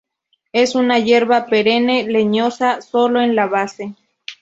Es una hierba perenne, leñosa sólo en la base.